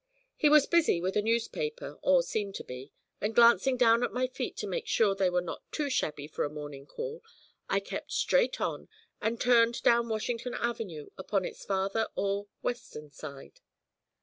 He was busy with a newspaper, or seemed to be, and glancing down at my feet to make sure they were not too shabby for a morning call, I kept straight on and turned down Washington Avenue upon its farther or western side.